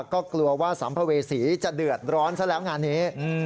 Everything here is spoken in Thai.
ก็กลัวว่าสัมภเวษีจะเดือดร้อนซะแล้วงานนี้